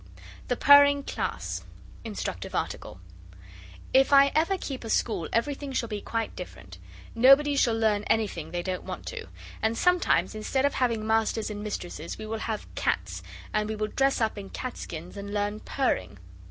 THE PURRING CLASS (Instructive Article) If I ever keep a school everything shall be quite different. Nobody shall learn anything they don't want to. And sometimes instead of having masters and mistresses we will have cats, and we will dress up in cat skins and learn purring.